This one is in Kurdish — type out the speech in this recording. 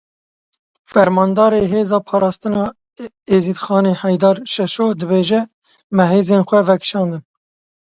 Fermandarê Hêza Parastina Êzîdxanê Heyder Şeşo dibêje, Me hêzên xwe vekişandin.